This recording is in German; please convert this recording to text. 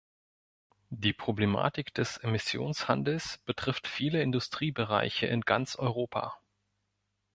Die Problematik des Emissionshandels betrifft viele Industriebereiche in ganz Europa.